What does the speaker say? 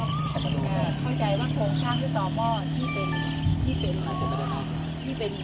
เข้าใจว่าผมสร้างคือตอบว่าที่เป็นบูนเป็นคอนกรีตเป็นซีเมนเนี่ย